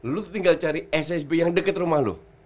lo tinggal cari ssb yang deket rumah lo